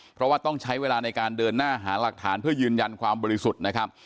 เพราะว่าต้องใช้เวลาในการเดินหน้าหาหลักฐานเพื่อยืนยันความบริสุทธิ์นะครับ